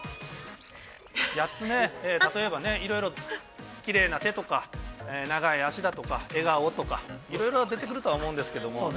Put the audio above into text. ◆いろいろ、きれいな手とか、長い足だとか笑顔とかいろいろ出てくると思うんですけれども。